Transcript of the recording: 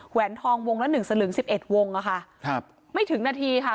แวนทองวงละหนึ่งสลึงสิบเอ็ดวงอะค่ะครับไม่ถึงนาทีค่ะ